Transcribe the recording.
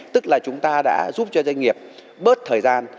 tức là chúng ta đã giúp cho doanh nghiệp bớt thời gian